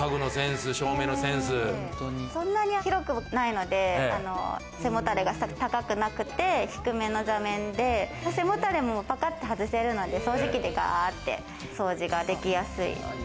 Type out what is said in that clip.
そんなに広くないので、背もたれが高くなくて低めの座面で背もたれも、パカっと外せるので、掃除機でガって掃除ができやすい。